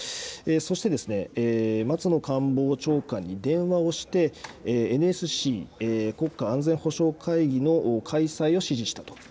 そして、松野官房長官に電話をしてＮＳＣ・国家安全保障会議の開催を指示したと。